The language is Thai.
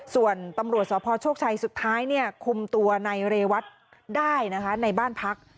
ส่วนตำรวจสพโชคชัยสุดท้ายคุมตัวในเรวัตได้นะคะในบ้านพัก